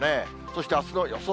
そしてあすの予想